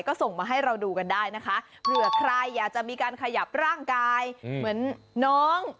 ก็ส่งมาให้เราดูกันได้นะคะเผื่อใครอยากจะมีการขยับร่างกายเหมือนน้อง